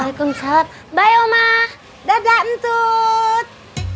waalaikumsalam bye oma dadah entut